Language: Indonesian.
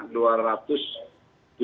dua ratus tujuh puluh juta orang